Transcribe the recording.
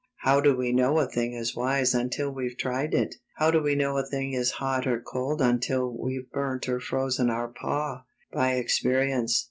How do we know a thing is wise irntil we've tried it?" " How do we know a thing is hot or cold until we've burnt or frozen our paw? By experience.